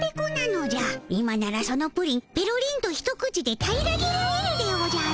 今ならそのプリンぺろりんと一口で平らげられるでおじゃる。